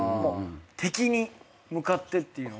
敵に向かってっていうのが。